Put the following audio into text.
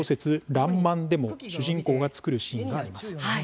「らんまん」でも主人公が作るシーンがあります。